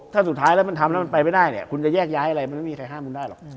ถ้าสุดท้ายแล้วมันทำแล้วมันไปไม่ได้เนี่ยคุณจะแยกย้ายอะไรมันไม่มีใครห้ามคุณได้หรอก